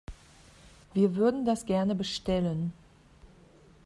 Wir würden das gerne bestellen.